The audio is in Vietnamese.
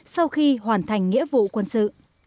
sau khi hoàn thành nghĩa vụ quân sự